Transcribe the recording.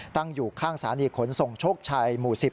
ตั้งอยู่ข้างสถานีขนส่งโชคชัยหมู่๑๐